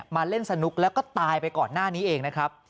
มาเล่นสนุกแล้วก็ตายไปก่อนหน้านี้เองนะครับ